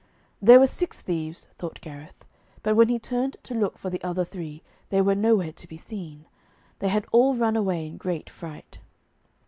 'There were six thieves,' thought Gareth; but when he turned to look for the other three, they were nowhere to be seen. They had all run away in great fright.